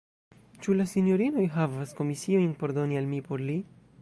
Ĉu la sinjorinoj havas komisiojn por doni al mi por li?